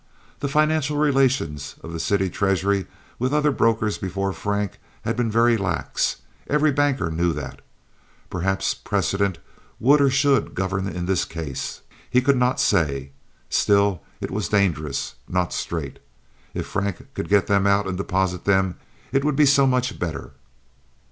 The financial relations of the city treasury with other brokers before Frank had been very lax. Every banker knew that. Perhaps precedent would or should govern in this case. He could not say. Still, it was dangerous—not straight. If Frank could get them out and deposit them it would be so much better.